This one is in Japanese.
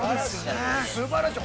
◆すばらしい。